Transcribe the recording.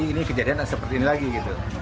ini kejadian seperti ini lagi gitu